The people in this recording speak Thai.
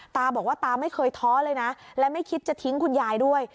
ตาบอกว่าตาไม่เคยท้อเลยนะและไม่คิดจะทิ้งคุณยายด้วย